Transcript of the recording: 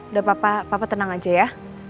udah papa papa tenang aja ya